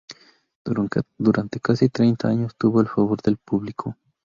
Durante casi treinta años tuvo el favor del público.